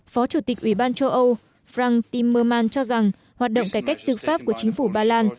phó chủ tịch ủy ban châu âu fran timmerman cho rằng hoạt động cải cách tư pháp của chính phủ ba lan